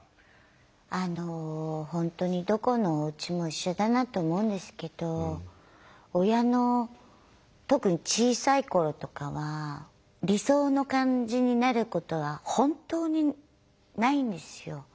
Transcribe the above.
あの本当にどこのおうちも一緒だなと思うんですけど親の特に小さい頃とかは理想の感じになることは本当にないんですよ。